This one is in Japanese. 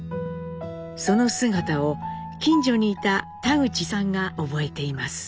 その姿を近所にいた田口さんが覚えています。